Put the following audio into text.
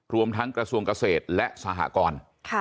รวมทั้งกระทรวงเกษตรและสหกร